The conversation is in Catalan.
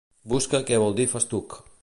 Busca què vol dir festuc.